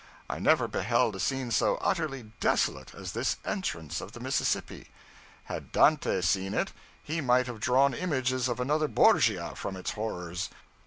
I never beheld a scene so utterly desolate as this entrance of the Mississippi. Had Dante seen it, he might have drawn images of another Borgia from its horrors.